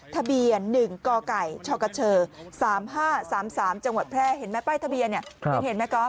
ทะเบียน๑กก๓๕๓๓จังหวัดแพร่เห็นไหมป้ายทะเบียนเนี่ยยังเห็นไหมก้อม